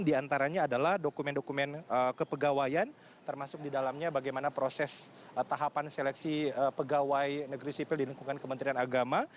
dan di antaranya adalah dokumen dokumen kepegawaian termasuk di dalamnya bagaimana proses tahapan seleksi pegawai negeri sipil di lingkungan kementerian agama